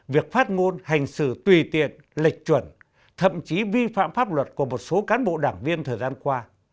việc phát ngôn hành xử tùy tiện lệch chuẩn thậm chí vi phạm pháp luật của một số cán bộ đảng viên thời gian qua